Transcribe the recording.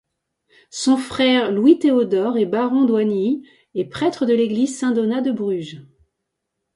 Son frère Louis Théodore est baron d'Oignies et prêtre de l'église Saint-Donat de Bruges.